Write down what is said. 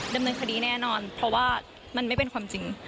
ดำเนินคดีแน่นอนเพราะว่ามันไม่เป็นความจริง